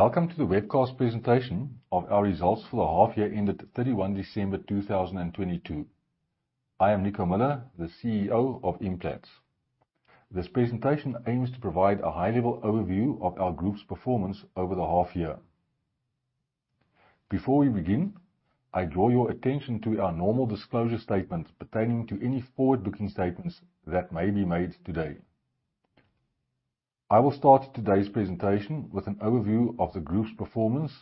Welcome to the webcast presentation of our results for the half year ended 31 December 2022. I am Nico Müller, the CEO of Implats. This presentation aims to provide a high-level overview of our group's performance over the half year. Before we begin, I draw your attention to our normal disclosure statement pertaining to any forward-looking statements that may be made today. I will start today's presentation with an overview of the group's performance,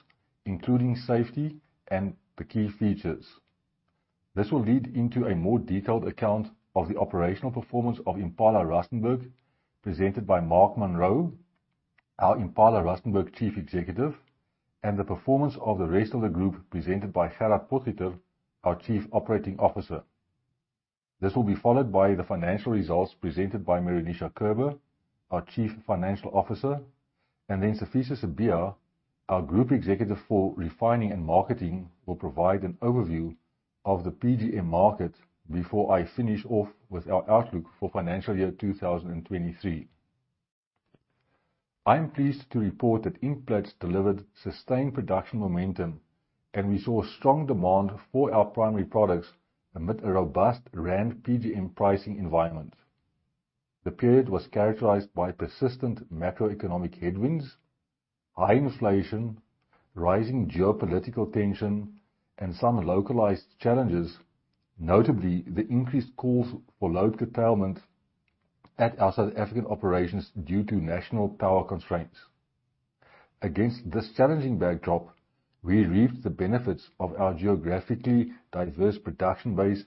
including safety and the key features. This will lead into a more detailed account of the operational performance of Impala Rustenburg, presented by Mark Munroe, our Impala Rustenburg chief executive, and the performance of the rest of the group presented by Gerhard Potgieter, our chief operating officer. This will be followed by the financial results presented by Meroonisha Kerber, our chief financial officer. Sifiso Sibiya, our group executive for refining and marketing, will provide an overview of the PGM market before I finish off with our outlook for financial year 2023. I am pleased to report that Implats delivered sustained production momentum. We saw strong demand for our primary products amid a robust ZAR PGM pricing environment. The period was characterized by persistent macroeconomic headwinds, high inflation, rising geopolitical tension, and some localized challenges, notably the increased calls for load curtailment at our South African operations due to national power constraints. Against this challenging backdrop, we reaped the benefits of our geographically diverse production base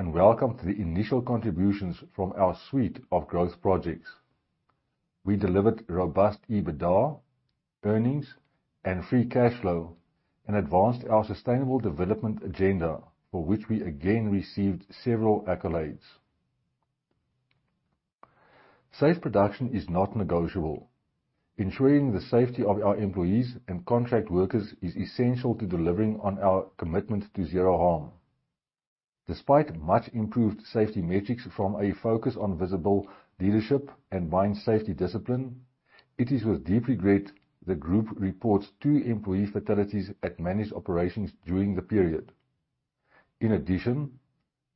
and welcomed the initial contributions from our suite of growth projects. We delivered robust EBITDA, earnings, and free cash flow. Advanced our sustainable development agenda, for which we again received several accolades. Safe production is not negotiable. Ensuring the safety of our employees and contract workers is essential to delivering on our commitment to zero harm. Despite much improved safety metrics from a focus on visible leadership and mine safety discipline, it is with deep regret the group reports two employee fatalities at managed operations during the period. In addition,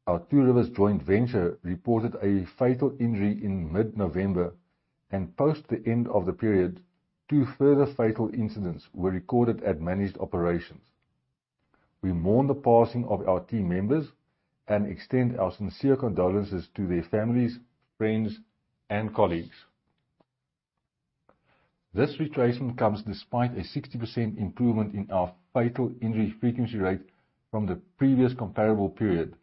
our Two Rivers joint venture reported a fatal injury in mid-November. Post the end of the period, two further fatal incidents were recorded at managed operations. We mourn the passing of our team members and extend our sincere condolences to their families, friends, and colleagues. This retracement comes despite a 60% improvement in our fatal injury frequency rate from the previous comparable period.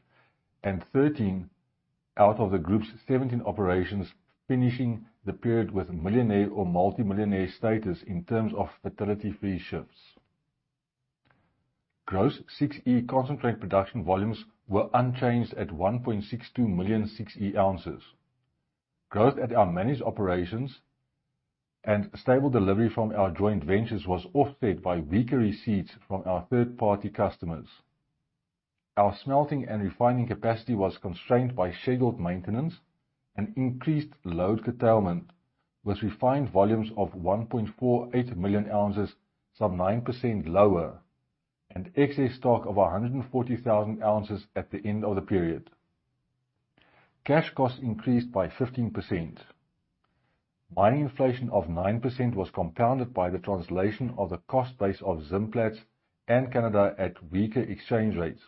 13 out of the group's 17 operations finishing the period with millionaire or multi-millionaire status in terms of fatality-free shifts. Gross 6E concentrate production volumes were unchanged at 1.62 million 6E ounces. Growth at our managed operations and stable delivery from our joint ventures was offset by weaker receipts from our third-party customers. Our smelting and refining capacity was constrained by scheduled maintenance and increased load curtailment with refined volumes of 1.48 million ounces, some 9% lower, and excess stock of 140,000 ounces at the end of the period. Cash costs increased by 15%. Mining inflation of 9% was compounded by the translation of the cost base of Zimplats and Canada at weaker exchange rates.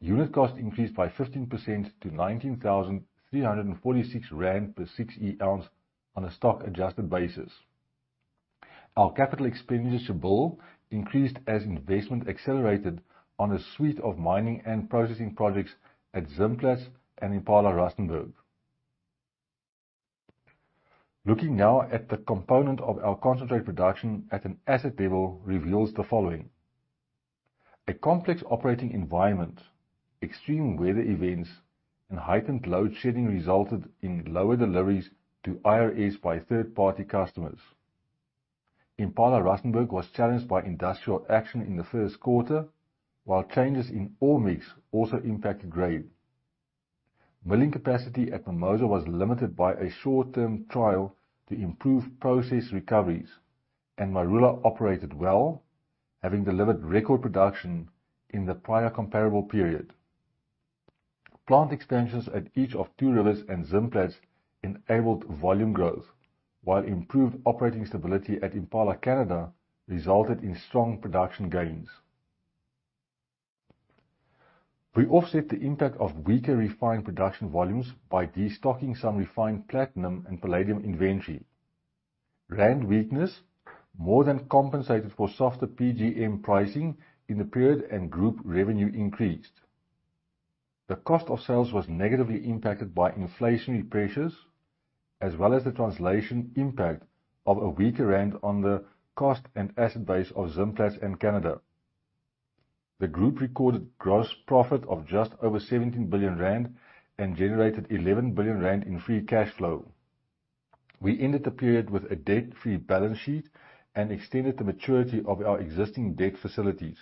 Unit cost increased by 15% to 19,346 rand per 6E ounce on a stock-adjusted basis. Our capital expenditure bill increased as investment accelerated on a suite of mining and processing projects at Zimplats and Impala Rustenburg. Looking now at the component of our concentrate production at an asset level reveals the following. A complex operating environment, extreme weather events, and heightened load shedding resulted in lower deliveries to IRS by third-party customers. Impala Rustenburg was challenged by industrial action in the first quarter, while changes in ore mix also impacted grade. Milling capacity at Mimosa Mining Company was limited by a short-term trial to improve process recoveries, and Marula operated well, having delivered record production in the prior comparable period. Plant expansions at each of Two Rivers Platinum Mine and Zimplats enabled volume growth, while improved operating stability at Impala Canada resulted in strong production gains. We offset the impact of weaker refined production volumes by destocking some refined platinum and palladium inventory. Rand weakness more than compensated for softer PGM pricing in the period and group revenue increased. The cost of sales was negatively impacted by inflationary pressures, as well as the translation impact of a weaker rand on the cost and asset base of Zimplats and Impala Canada. The group recorded gross profit of just over 17 billion rand and generated 11 billion rand in free cash flow. We ended the period with a debt-free balance sheet and extended the maturity of our existing debt facilities.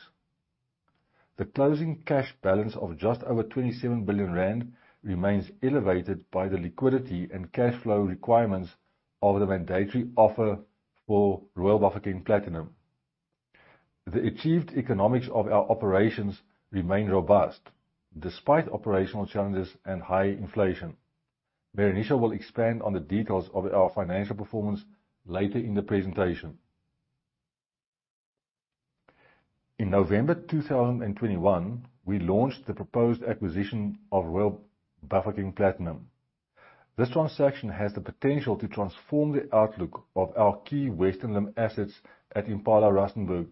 The closing cash balance of just over 27 billion rand remains elevated by the liquidity and cash flow requirements of the mandatory offer for Royal Bafokeng Platinum. The achieved economics of our operations remain robust despite operational challenges and high inflation. Meroonisha Kerber will expand on the details of our financial performance later in the presentation. In November 2021, we launched the proposed acquisition of Royal Bafokeng Platinum. This transaction has the potential to transform the outlook of our key Western limb assets at Impala Rustenburg,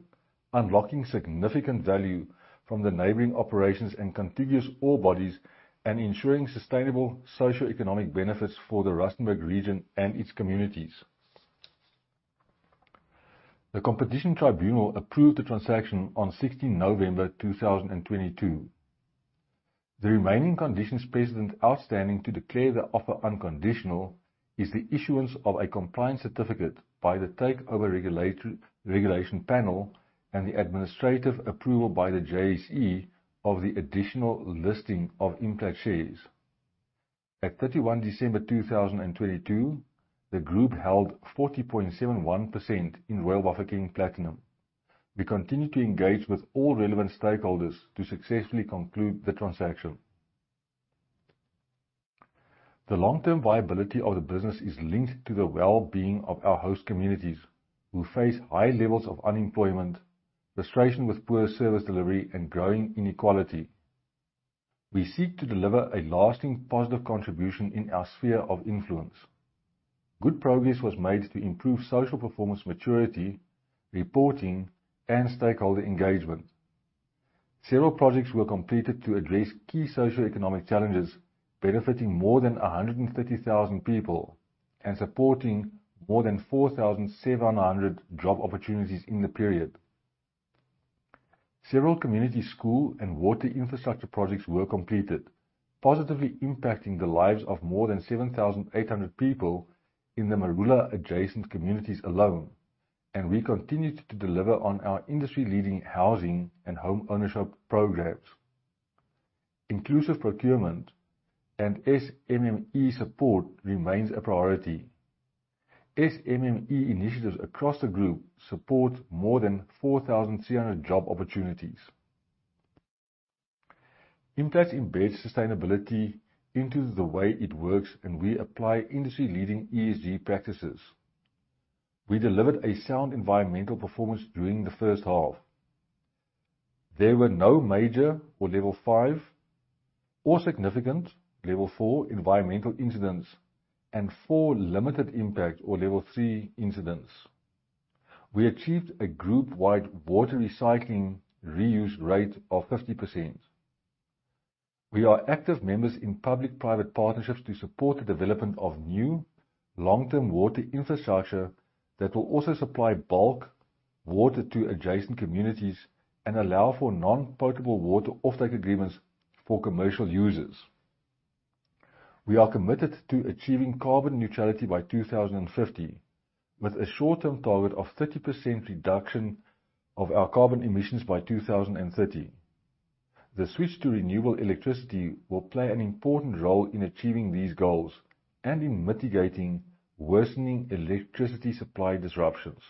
unlocking significant value from the neighboring operations and contiguous ore bodies and ensuring sustainable socioeconomic benefits for the Rustenburg region and its communities. The Competition Tribunal of South Africa approved the transaction on 16 November 2022. The remaining conditions precedent outstanding to declare the offer unconditional is the issuance of a compliance certificate by the Takeover Regulation Panel and the administrative approval by the JSE of the additional listing of Implats shares. At 31 December 2022, the group held 40.71% in Royal Bafokeng Platinum. We continue to engage with all relevant stakeholders to successfully conclude the transaction. The long-term viability of the business is linked to the well-being of our host communities who face high levels of unemployment, frustration with poor service delivery, and growing inequality. We seek to deliver a lasting positive contribution in our sphere of influence. Good progress was made to improve social performance maturity, reporting, and stakeholder engagement. Several projects were completed to address key socioeconomic challenges, benefiting more than 130,000 people and supporting more than 4,700 job opportunities in the period. Several community school and water infrastructure projects were completed, positively impacting the lives of more than 7,800 people in the Marula adjacent communities alone, and we continued to deliver on our industry leading housing and home ownership programs. Inclusive procurement and SMME support remains a priority. SMME initiatives across the group support more than 4,300 job opportunities. Implats embeds sustainability into the way it works, and we apply industry leading ESG practices. We delivered a sound environmental performance during the first half. There were no major or level 5 or significant level 4 environmental incidents and four limited impact or level 3 incidents. We achieved a group wide water recycling reuse rate of 50%. We are active members in public-private partnerships to support the development of new long-term water infrastructure that will also supply bulk water to adjacent communities and allow for non-potable water off-take agreements for commercial users. We are committed to achieving carbon neutrality by 2050 with a short-term target of 30% reduction of our carbon emissions by 2030. The switch to renewable electricity will play an important role in achieving these goals and in mitigating worsening electricity supply disruptions.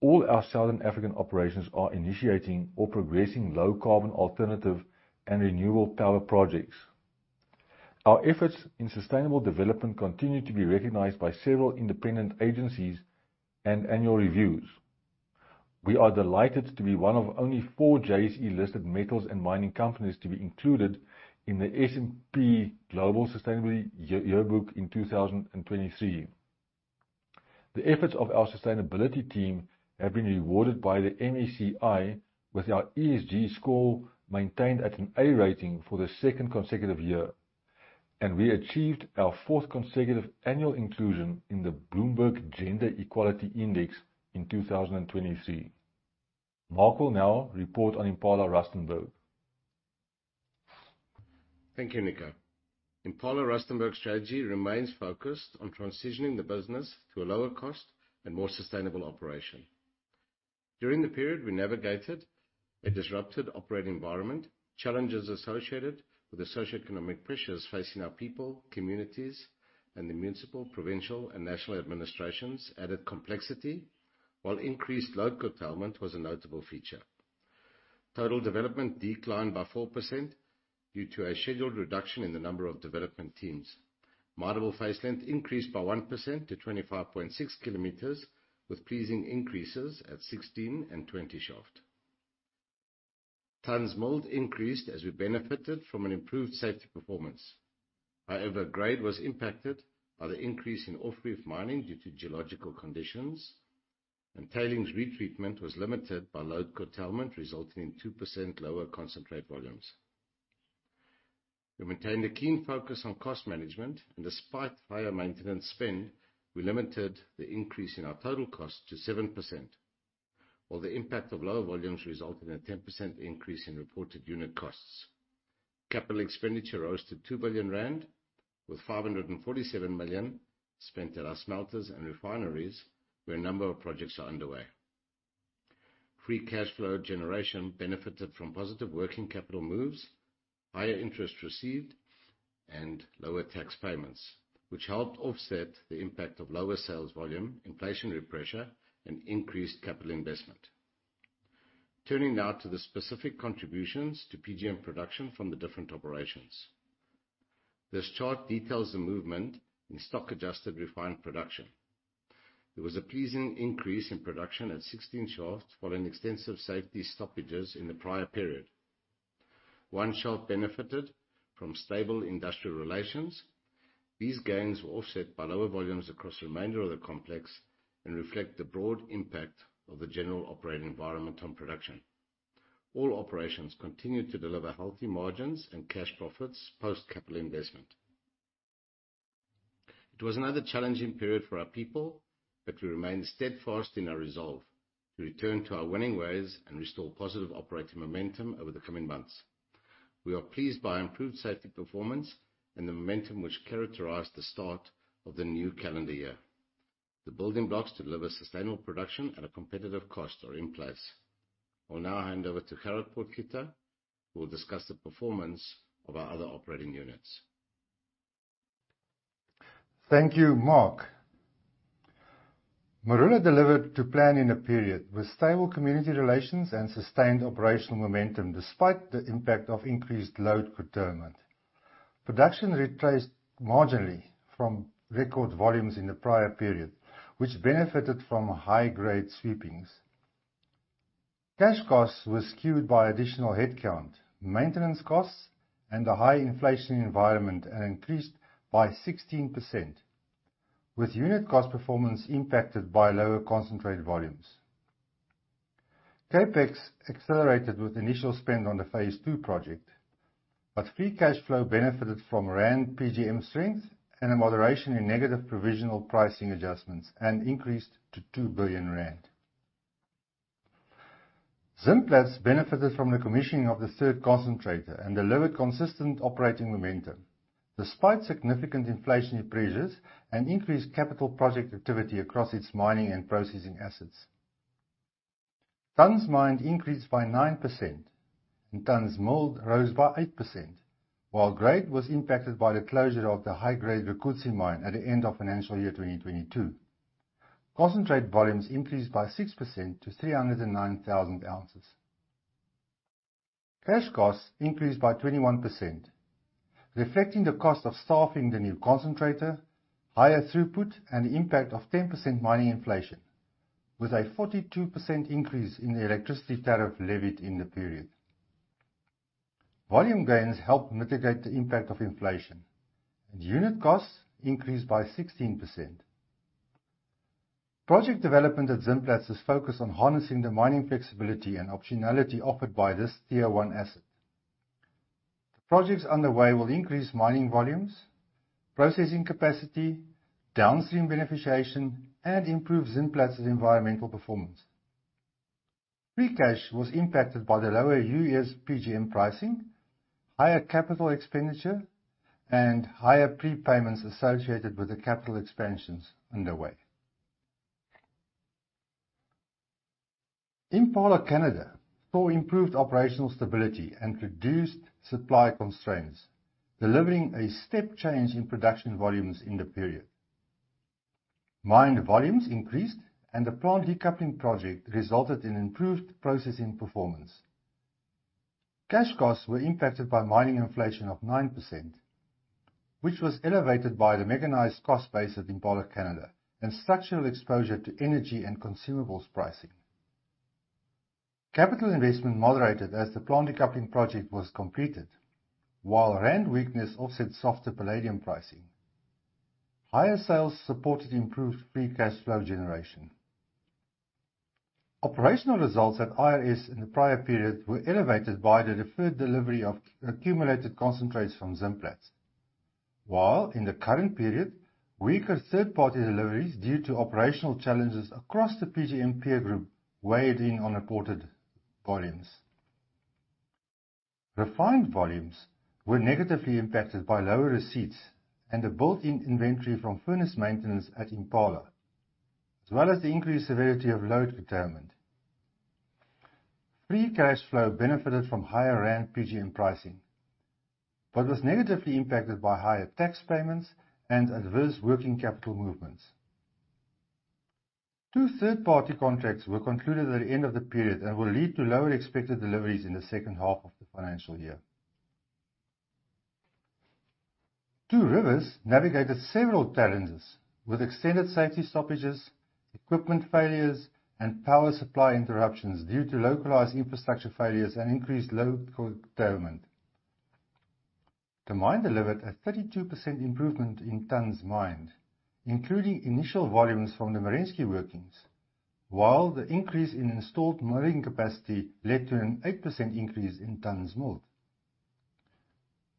All our Southern African operations are initiating or progressing low carbon alternative and renewable power projects. Our efforts in sustainable development continue to be recognized by several independent agencies and annual reviews. We are delighted to be one of only four JSE-listed metals and mining companies to be included in the S&P Global Sustainability Yearbook in 2023. The efforts of our sustainability team have been rewarded by the MSCI with our ESG score maintained at an A rating for the second consecutive year, and we achieved our fourth consecutive annual inclusion in the Bloomberg Gender-Equality Index in 2023. Mark will now report on Impala Rustenburg. Thank you, Nico. Impala Rustenburg's strategy remains focused on transitioning the business to a lower cost and more sustainable operation. During the period we navigated a disrupted operating environment, challenges associated with the socioeconomic pressures facing our people, communities, and the municipal, provincial, and national administrations added complexity, while increased load curtailment was a notable feature. Total development declined by 4% due to a scheduled reduction in the number of development teams. Mineable face length increased by 1% to 25.6 km with pleasing increases at 16 Shaft and 20 Shaft. Tonnes milled increased as we benefited from an improved safety performance. However, grade was impacted by the increase in off-reef mining due to geological conditions, and tailings retreatment was limited by load curtailment, resulting in 2% lower concentrate volumes. We maintained a keen focus on cost management, and despite higher maintenance spend, we limited the increase in our total cost to 7%, while the impact of lower volumes resulted in a 10% increase in reported unit costs. Capital expenditure rose to 2 billion rand, with 547 million spent at our smelters and refineries where a number of projects are underway. Free cash flow generation benefited from positive working capital moves, higher interest received, and lower tax payments, which helped offset the impact of lower sales volume, inflationary pressure, and increased capital investment. Turning now to the specific contributions to PGM production from the different operations. This chart details the movement in stock adjusted refined production. There was a pleasing increase in production at 16 Shaft following extensive safety stoppages in the prior period. 1 Shaft benefited from stable industrial relations. These gains were offset by lower volumes across the remainder of the complex and reflect the broad impact of the general operating environment on production. All operations continued to deliver healthy margins and cash profits post-capital investment. It was another challenging period for our people, but we remain steadfast in our resolve to return to our winning ways and restore positive operating momentum over the coming months. We are pleased by improved safety performance and the momentum which characterized the start of the new calendar year. The building blocks to deliver sustainable production at a competitive cost are in place. I will now hand over to Gerhard Potgieter, who will discuss the performance of our other operating units. Thank you, Mark. Marula delivered to plan in the period with stable community relations and sustained operational momentum despite the impact of increased load curtailment. Production retraced marginally from record volumes in the prior period, which benefited from high-grade sweepings. Cash costs were skewed by additional headcount, maintenance costs, and a high inflationary environment, and increased by 16%, with unit cost performance impacted by lower concentrate volumes. CapEx accelerated with initial spend on the Phase II project, but free cash flow benefited from ZAR PGM strength and a moderation in negative provisional pricing adjustments and increased to 2 billion rand. Zimplats benefited from the commissioning of the third concentrator and delivered consistent operating momentum, despite significant inflationary pressures and increased capital project activity across its mining and processing assets. Tonnes mined increased by 9% and tonnes milled rose by 8%, while grade was impacted by the closure of the high-grade Rukuzi mine at the end of FY 2022. Concentrate volumes increased by 6% to 309,000 ounces. Cash costs increased by 21%, reflecting the cost of staffing the new concentrator, higher throughput, and the impact of 10% mining inflation, with a 42% increase in the electricity tariff levied in the period. Volume gains helped mitigate the impact of inflation and unit costs increased by 16%. Project development at Zimplats is focused on harnessing the mining flexibility and optionality offered by this tier 1 asset. The projects underway will increase mining volumes, processing capacity, downstream beneficiation, and improve Zimplats' environmental performance. Free cash was impacted by the lower U.S. PGM pricing, higher capital expenditure, and higher prepayments associated with the capital expansions underway. Impala Canada saw improved operational stability and reduced supply constraints, delivering a step change in production volumes in the period. Mined volumes increased and the plant decoupling project resulted in improved processing performance. Cash costs were impacted by mining inflation of 9%, which was elevated by the mechanized cost base at Impala Canada and structural exposure to energy and consumables pricing. Capital investment moderated as the plant decoupling project was completed, while rand weakness offset softer palladium pricing. Higher sales supported improved free cash flow generation. Operational results at IRS in the prior period were elevated by the deferred delivery of accumulated concentrates from Zimplats. While in the current period, weaker third-party deliveries due to operational challenges across the PGM peer group weighed in on reported volumes. Refined volumes were negatively impacted by lower receipts and the built-in inventory from furnace maintenance at Impala, as well as the increased severity of load curtailment. Free cash flow benefited from higher ZAR PGM pricing, but was negatively impacted by higher tax payments and adverse working capital movements. Two third-party contracts were concluded at the end of the period and will lead to lower expected deliveries in the second half of the financial year. Two Rivers navigated several challenges with extended safety stoppages, equipment failures, and power supply interruptions due to localized infrastructure failures and increased load curtailment. The mine delivered a 32% improvement in tonnes mined, including initial volumes from the Merensky workings. While the increase in installed milling capacity led to an 8% increase in tonnes milled.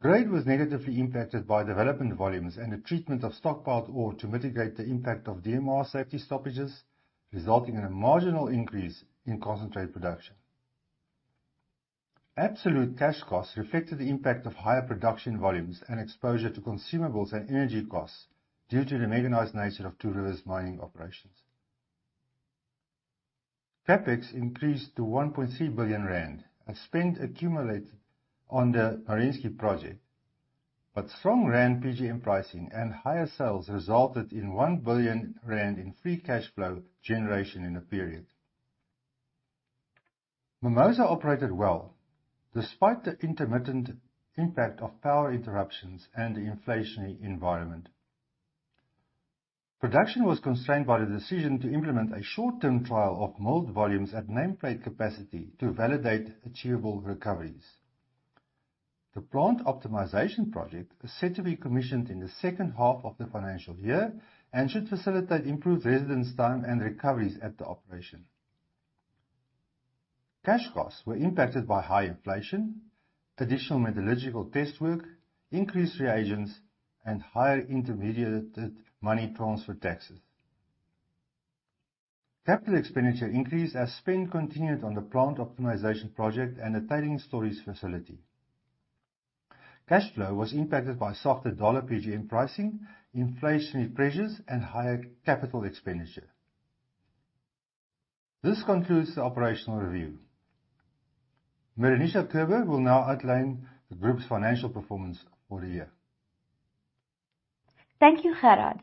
Grade was negatively impacted by development volumes and the treatment of stockpiled ore to mitigate the impact of DMR safety stoppages, resulting in a marginal increase in concentrate production. Absolute cash costs reflected the impact of higher production volumes and exposure to consumables and energy costs due to the mechanized nature of Two Rivers mining operations. CapEx increased to 1.3 billion rand as spend accumulated on the Merensky project. Strong ZAR PGM pricing and higher sales resulted in 1 billion rand in free cash flow generation in the period. Mimosa operated well despite the intermittent impact of power interruptions and the inflationary environment. Production was constrained by the decision to implement a short-term trial of milled volumes at nameplate capacity to validate achievable recoveries. The plant optimization project is set to be commissioned in the second half of the financial year and should facilitate improved residence time and recoveries at the operation. Cash costs were impacted by high inflation, additional metallurgical test work, increased reagents, and higher Intermediated Money Transfer Tax. Capital expenditure increased as spend continued on the plant optimization project and the tailings storage facility. Cash flow was impacted by softer USD PGM pricing, inflationary pressures, and higher capital expenditure. This concludes the operational review. Meroonisha Kerber will now outline the group's financial performance for the year. Thank you, Gerhard.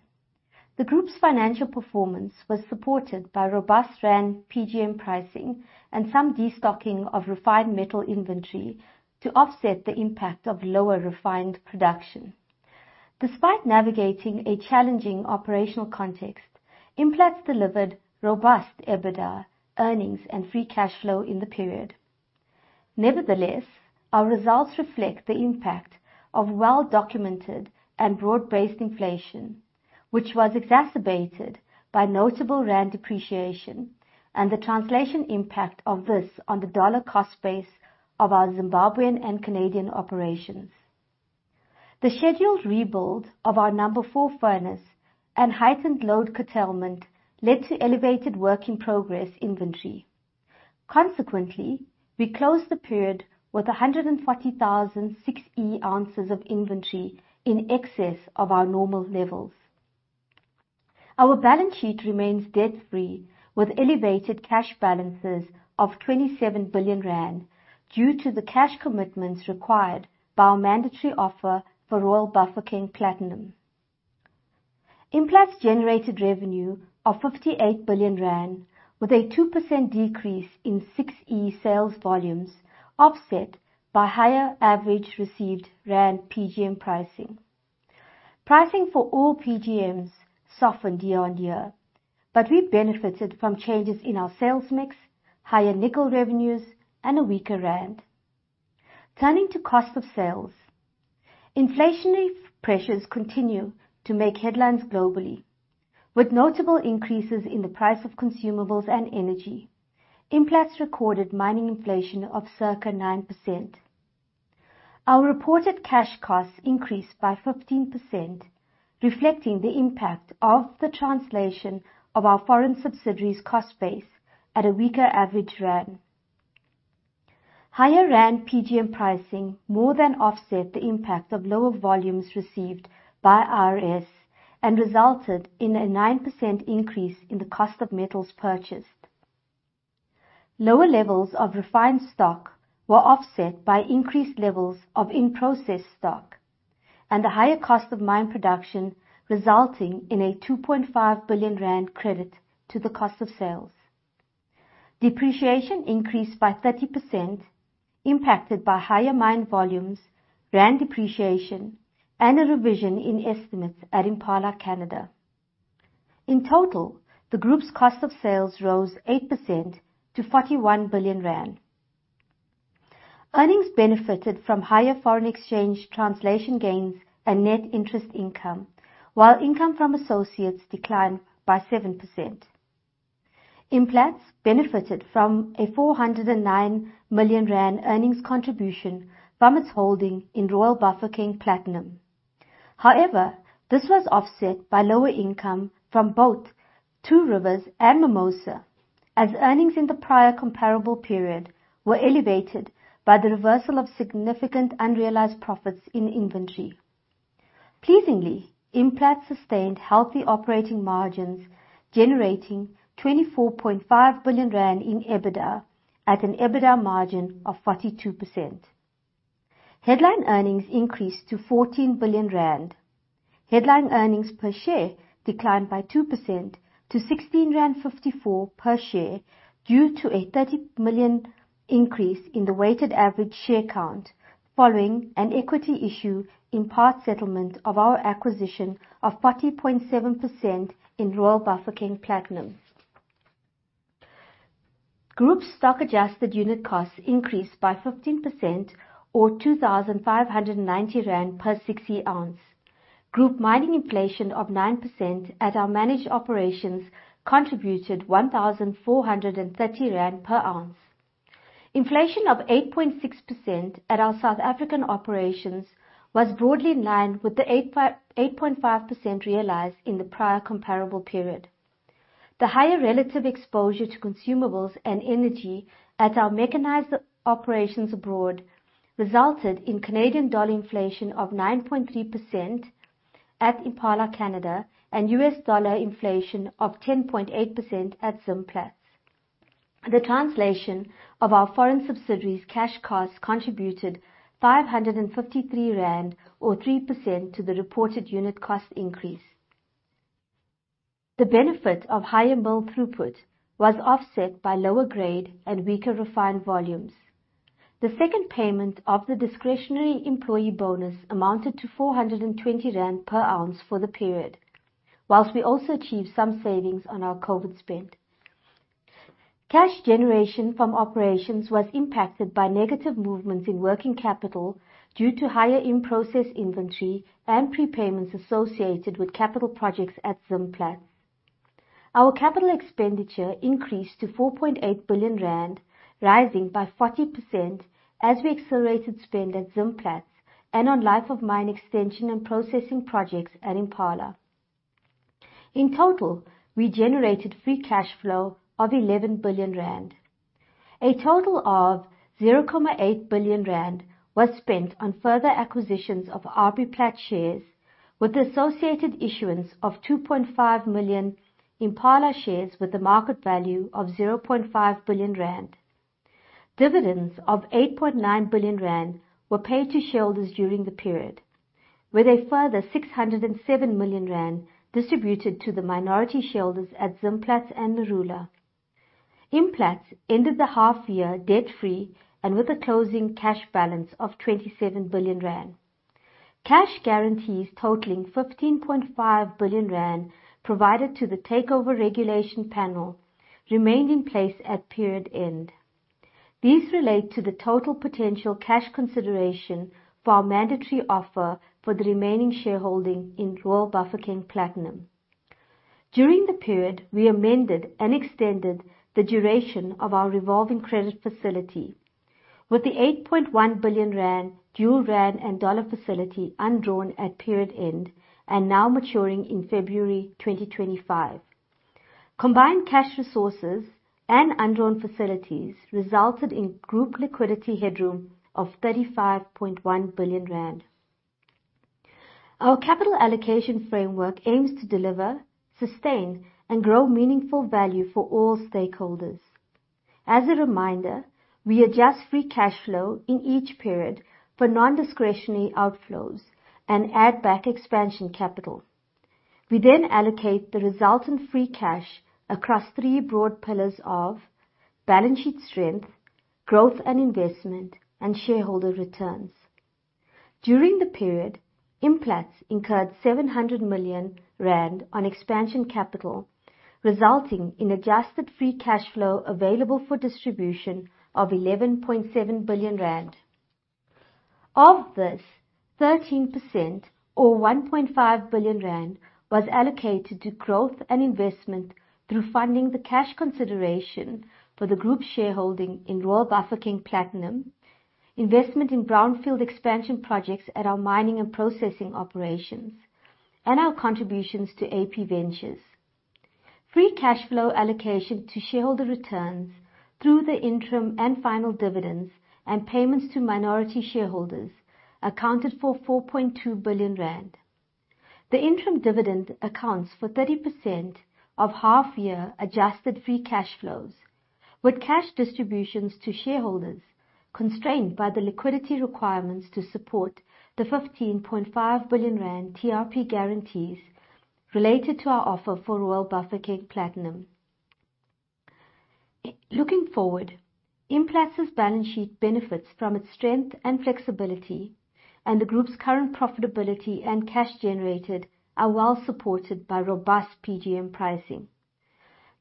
The group's financial performance was supported by robust ZAR PGM pricing and some destocking of refined metal inventory to offset the impact of lower refined production. Despite navigating a challenging operational context, Implats delivered robust EBITDA earnings and free cash flow in the period. Nevertheless, our results reflect the impact of well-documented and broad-based inflation, which was exacerbated by notable ZAR depreciation and the translation impact of this on the USD cost base of our Zimbabwean and Canadian operations. The scheduled rebuild of our Number 4 furnace and heightened load curtailment led to elevated work-in-progress inventory. Consequently, we closed the period with 140,006 oz of inventory in excess of our normal levels. Our balance sheet remains debt-free with elevated cash balances of 27 billion rand due to the cash commitments required by our mandatory offer for Royal Bafokeng Platinum. Implats generated revenue of 58 billion rand with a 2% decrease in 6E sales volumes offset by higher average received ZAR PGM pricing. Pricing for all PGMs softened year-on-year, but we benefited from changes in our sales mix, higher nickel revenues, and a weaker ZAR. Turning to cost of sales. Inflationary pressures continue to make headlines globally, with notable increases in the price of consumables and energy. Implats recorded mining inflation of circa 9%. Our reported cash costs increased by 15%, reflecting the impact of the translation of our foreign subsidiaries' cost base at a weaker average ZAR. Higher ZAR PGM pricing more than offset the impact of lower volumes received by IRS and resulted in a 9% increase in the cost of metals purchased. Lower levels of refined stock were offset by increased levels of in-process stock, and the higher cost of mine production resulting in a 2.5 billion rand credit to the cost of sales. Depreciation increased by 30%, impacted by higher mine volumes, ZAR depreciation, and a revision in estimates at Impala Canada. In total, the group's cost of sales rose 8% to 41 billion rand. Earnings benefited from higher foreign exchange translation gains and net interest income while income from associates declined by 7%. Implats benefited from a 409 million rand earnings contribution from its holding in Royal Bafokeng Platinum. However, this was offset by lower income from both Two Rivers and Mimosa, as earnings in the prior comparable period were elevated by the reversal of significant unrealized profits in inventory. Pleasingly, Implats sustained healthy operating margins, generating 24.5 billion rand in EBITDA at an EBITDA margin of 42%. Headline earnings increased to 14 billion rand. Headline earnings per share declined by 2% to 16.54 per share due to a 30 million increase in the weighted average share count following an equity issue in part settlement of our acquisition of 40.7% in Royal Bafokeng Platinum. Group stock adjusted unit costs increased by 15% or 2,590 rand per 6E oz. Group mining inflation of 9% at our managed operations contributed 1,430 rand per oz. Inflation of 8.6% at our South African operations was broadly in line with the 8.5% realized in the prior comparable period. The higher relative exposure to consumables and energy at our mechanized operations abroad resulted in CAD inflation of 9.3% at Impala Canada and USD inflation of 10.8% at Zimplats. The translation of our foreign subsidiaries cash costs contributed 553 rand, or 3%, to the reported unit cost increase. The benefit of higher mill throughput was offset by lower grade and weaker refined volumes. The second payment of the discretionary employee bonus amounted to 420 rand per ounce for the period, while we also achieved some savings on our COVID spend. Cash generation from operations was impacted by negative movements in working capital due to higher in-process inventory and prepayments associated with capital projects at Zimplats. Our capital expenditure increased to 4.8 billion rand, rising by 40% as we accelerated spend at Zimplats and on life of mine extension and processing projects at Impala. In total, we generated free cash flow of 11 billion rand. A total of 0.8 billion rand was spent on further acquisitions of RBPlat shares, with associated issuance of 2.5 million Impala shares with a market value of 0.5 billion rand. Dividends of 8.9 billion rand were paid to shareholders during the period, with a further 607 million rand distributed to the minority shareholders at Zimplats and Marula. Implats ended the half year debt-free and with a closing cash balance of 27 billion rand. Cash guarantees totaling 15.5 billion rand provided to the Takeover Regulation Panel remained in place at period end. These relate to the total potential cash consideration for our mandatory offer for the remaining shareholding in Royal Bafokeng Platinum. During the period, we amended and extended the duration of our revolving credit facility with the 8.1 billion rand, dual ZAR and USD facility undrawn at period end and now maturing in February 2025. Combined cash resources and undrawn facilities resulted in group liquidity headroom of 35.1 billion rand. Our capital allocation framework aims to deliver, sustain and grow meaningful value for all stakeholders. As a reminder, we adjust free cash flow in each period for non-discretionary outflows and add back expansion capital. We then allocate the resultant free cash across three broad pillars of balance sheet strength, growth and investment, and shareholder returns. During the period, Implats incurred 700 million rand on expansion capital, resulting in adjusted free cash flow available for distribution of 11.7 billion rand. Of this, 13%, or 1.5 billion rand, was allocated to growth and investment through funding the cash consideration for the group shareholding in Royal Bafokeng Platinum, investment in brownfield expansion projects at our mining and processing operations, and our contributions to AP Ventures. Free cash flow allocation to shareholder returns through the interim and final dividends and payments to minority shareholders accounted for 4.2 billion rand. The interim dividend accounts for 30% of half year adjusted free cash flows, with cash distributions to shareholders constrained by the liquidity requirements to support the 15.5 billion rand TRP guarantees related to our offer for Royal Bafokeng Platinum. Looking forward, Implats' balance sheet benefits from its strength and flexibility, and the group's current profitability and cash generated are well supported by robust PGM pricing.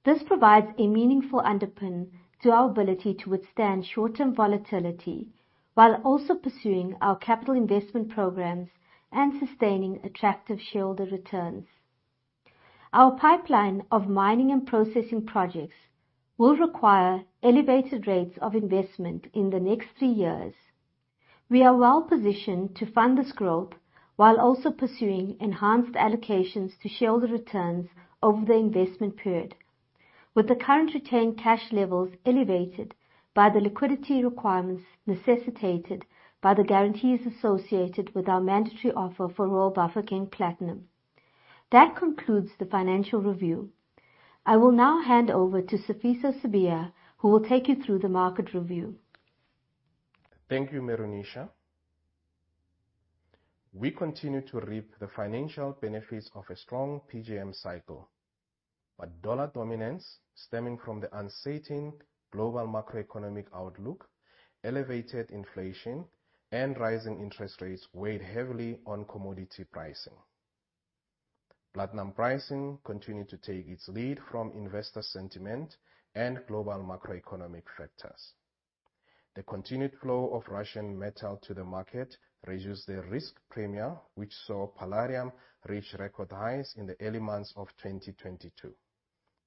This provides a meaningful underpin to our ability to withstand short-term volatility while also pursuing our capital investment programs and sustaining attractive shareholder returns. Our pipeline of mining and processing projects will require elevated rates of investment in the next three years. We are well positioned to fund this growth while also pursuing enhanced allocations to shareholder returns over the investment period. With the current retained cash levels elevated by the liquidity requirements necessitated by the guarantees associated with our mandatory offer for Royal Bafokeng Platinum. That concludes the financial review. I will now hand over to Sifiso Sibiya, who will take you through the market review. Thank you, Meroonisha. We continue to reap the financial benefits of a strong PGM cycle. Dollar dominance stemming from the uncertain global macroeconomic outlook, elevated inflation and rising interest rates weighed heavily on commodity pricing. Platinum pricing continued to take its lead from investor sentiment and global macroeconomic factors. The continued flow of Russian metal to the market reduced the risk premia, which saw palladium reach record highs in the early months of 2022,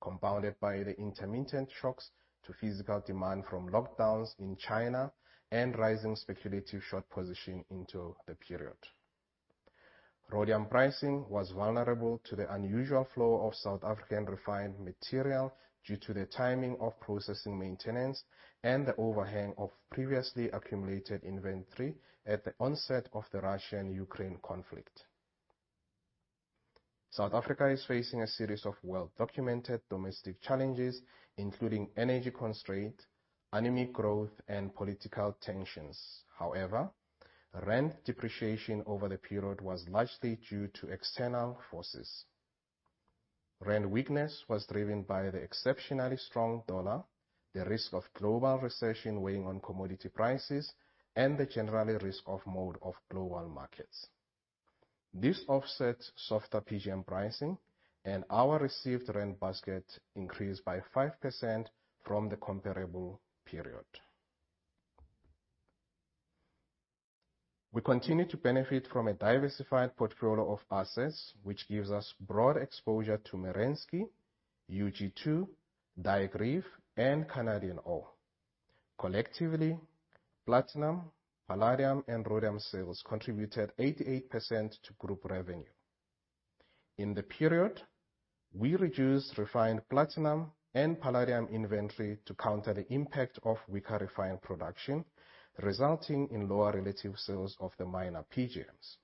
compounded by the intermittent shocks to physical demand from lockdowns in China and rising speculative short position into the period. Rhodium pricing was vulnerable to the unusual flow of South African refined material due to the timing of processing maintenance and the overhang of previously accumulated inventory at the onset of the Russo-Ukrainian War. South Africa is facing a series of well-documented domestic challenges, including energy constraint, anemic growth, and political tensions. Rand depreciation over the period was largely due to external forces. Rand weakness was driven by the exceptionally strong dollar, the risk of global recession weighing on commodity prices, and the general risk-off mode of global markets. This offsets softer PGM pricing and our received rand basket increased by 5% from the comparable period. We continue to benefit from a diversified portfolio of assets, which gives us broad exposure to Merensky, UG2, Diepe Reef, and Canadian ore. Collectively, platinum, palladium, and rhodium sales contributed 88% to group revenue. In the period, we reduced refined platinum and palladium inventory to counter the impact of weaker refined production, resulting in lower relative sales of the minor PGMs.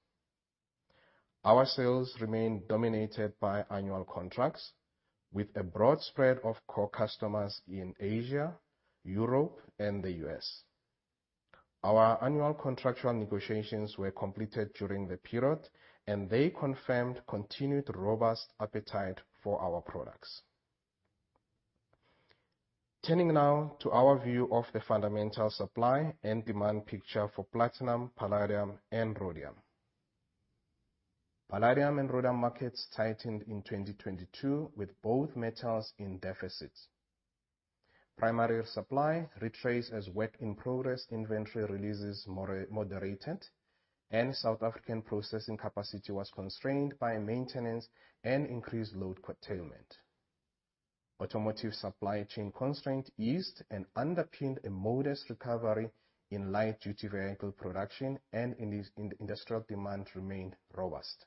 Our sales remain dominated by annual contracts with a broad spread of core customers in Asia, Europe, and the U.S. Our annual contractual negotiations were completed during the period. They confirmed continued robust appetite for our products. Turning now to our view of the fundamental supply and demand picture for platinum, palladium, and rhodium. Palladium and rhodium markets tightened in 2022 with both metals in deficit. Primary supply retraced as work-in-progress inventory releases moderated and South African processing capacity was constrained by maintenance and increased load curtailment. Automotive supply chain constraint eased and underpinned a modest recovery in light-duty vehicle production and industrial demand remained robust.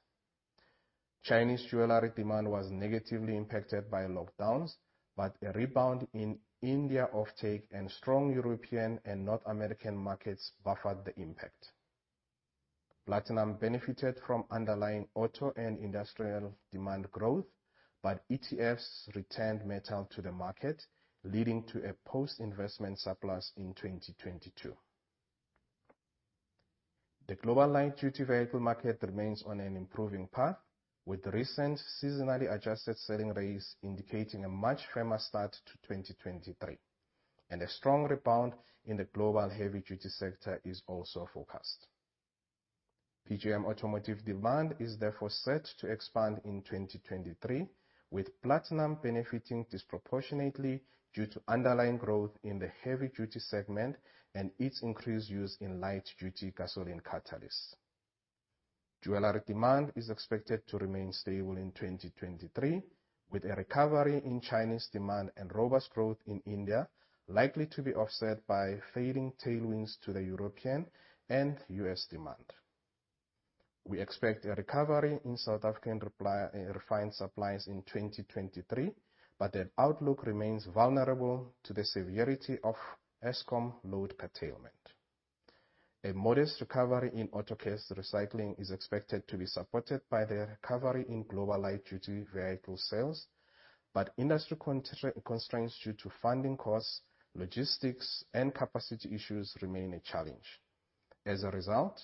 Chinese jewelry demand was negatively impacted by lockdowns. A rebound in India offtake and strong European and North American markets buffered the impact. Platinum benefited from underlying auto and industrial demand growth. ETFs returned metal to the market, leading to a post-investment surplus in 2022. The global light-duty vehicle market remains on an improving path, with recent seasonally adjusted selling rates indicating a much firmer start to 2023. A strong rebound in the global heavy-duty sector is also forecast. PGM automotive demand is therefore set to expand in 2023, with platinum benefiting disproportionately due to underlying growth in the heavy-duty segment and its increased use in light-duty gasoline catalysts. Jewelry demand is expected to remain stable in 2023, with a recovery in Chinese demand and robust growth in India likely to be offset by fading tailwinds to the European and U.S. demand. We expect a recovery in South African refined supplies in 2023, but the outlook remains vulnerable to the severity of Eskom load curtailment. A modest recovery in autocats recycling is expected to be supported by the recovery in global light-duty vehicle sales. Industry constraints due to funding costs, logistics, and capacity issues remain a challenge. As a result,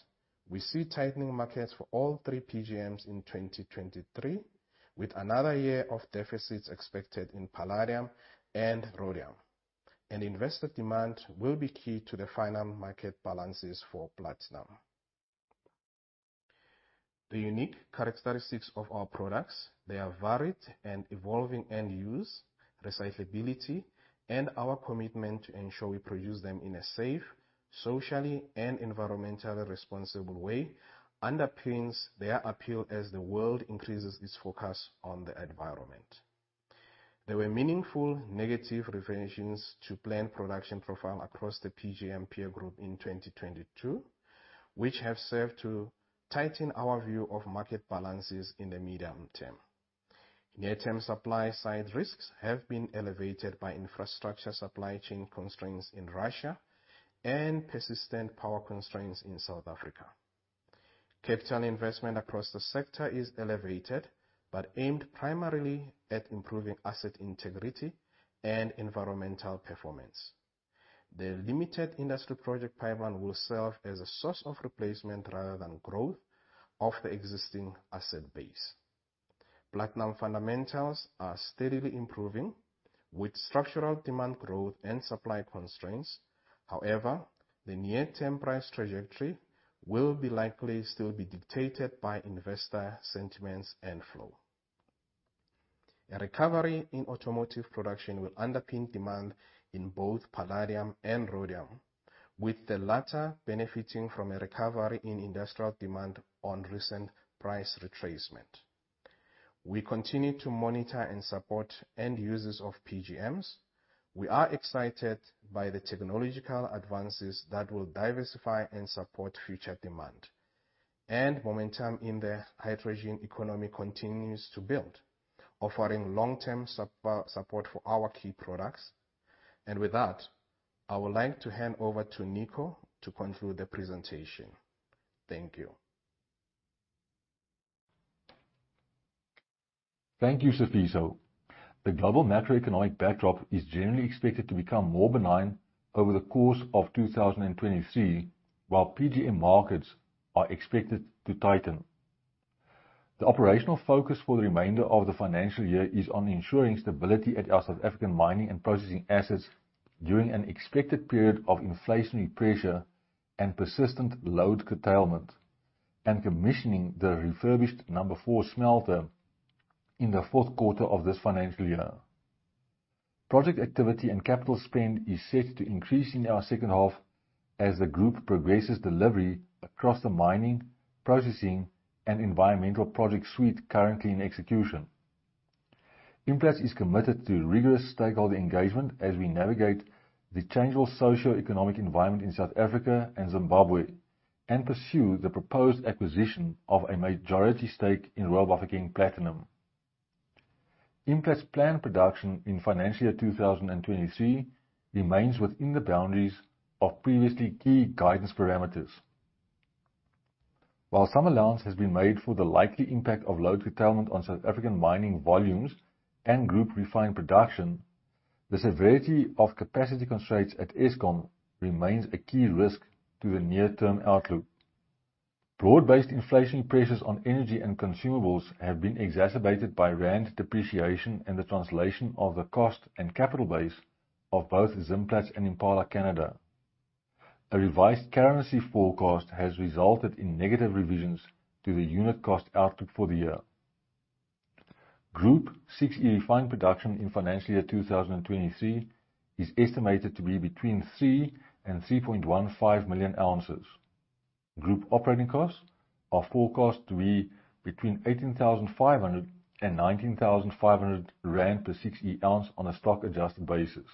we see tightening markets for all three PGMs in 2023, with another year of deficits expected in palladium and rhodium. Investor demand will be key to the final market balances for platinum. The unique characteristics of our products, their varied and evolving end use, recyclability, and our commitment to ensure we produce them in a safe, socially and environmentally responsible way underpins their appeal as the world increases its focus on the environment. There were meaningful negative revisions to planned production profile across the PGM peer group in 2022, which have served to tighten our view of market balances in the medium term. Near-term supply side risks have been elevated by infrastructure supply chain constraints in Russia and persistent power constraints in South Africa. Capital investment across the sector is elevated but aimed primarily at improving asset integrity and environmental performance. The limited industry project pipeline will serve as a source of replacement rather than growth of the existing asset base. Platinum fundamentals are steadily improving with structural demand growth and supply constraints. However, the near-term price trajectory will be likely still be dictated by investor sentiments and flow. A recovery in automotive production will underpin demand in both palladium and rhodium, with the latter benefiting from a recovery in industrial demand on recent price retracement. We continue to monitor and support end users of PGMs. We are excited by the technological advances that will diversify and support future demand. Momentum in the hydrogen economy continues to build, offering long-term support for our key products. With that, I would like to hand over to Nico to conclude the presentation. Thank you. Thank you, Sifiso. The global macroeconomic backdrop is generally expected to become more benign over the course of 2023, while PGM markets are expected to tighten. The operational focus for the remainder of the financial year is on ensuring stability at our South African mining and processing assets during an expected period of inflationary pressure and persistent load curtailment. Commissioning the refurbished Number 4 smelter in the fourth quarter of this financial year. Project activity and capital spend is set to increase in our second half as the group progresses delivery across the mining, processing, and environmental project suite currently in execution. Implats is committed to rigorous stakeholder engagement as we navigate the changeable socioeconomic environment in South Africa and Zimbabwe. Pursue the proposed acquisition of a majority stake in Royal Bafokeng Platinum. Implats' planned production in financial year 2023 remains within the boundaries of previously key guidance parameters. While some allowance has been made for the likely impact of load curtailment on South African mining volumes and group refined production, the severity of capacity constraints at Eskom remains a key risk to the near-term outlook. Broad-based inflation pressures on energy and consumables have been exacerbated by ZAR depreciation and the translation of the cost and capital base of both Zimplats and Impala Canada. A revised currency forecast has resulted in negative revisions to the unit cost outlook for the year. Group 6E refined production in financial year 2023 is estimated to be between 3 million-3.15 million ounces. Group operating costs are forecast to be between 18,500-19,500 rand per 6E ounce on a stock-adjusted basis.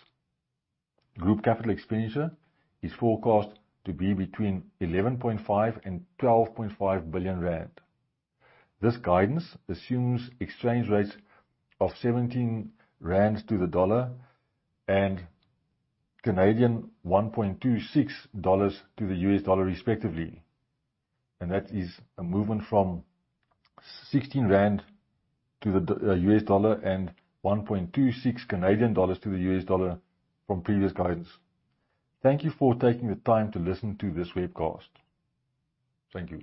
Group capital expenditure is forecast to be between 11.5 billion-12.5 billion rand. This guidance assumes exchange rates of 17 rand to the U.S. dollar and 1.26 dollars to the U.S. dollar respectively, that is a movement from 16 rand to the U.S. dollar and CAD 1.26 to the U.S. dollar from previous guidance. Thank you for taking the time to listen to this webcast. Thank you